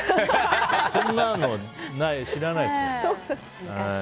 そんなの、知らないですけど。